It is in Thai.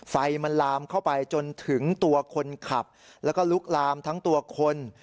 ไฟมันลามเข้าไปจนถึงตัวคนขับแล้วก็ลุกลามทั้งตัวคน